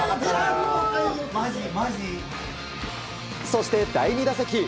そして、第２打席。